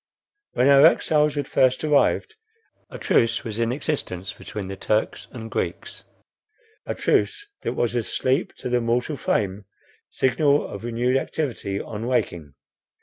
When our exiles had first arrived, a truce was in existence between the Turks and Greeks; a truce that was as sleep to the mortal frame, signal of renewed activity on waking.